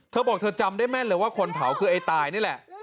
เธอบอกเธอจำได้แม่นเลยว่าคนเผาคือไอ้ตายนี่แหละ